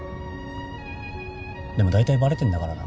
でもだいたいバレてんだからな。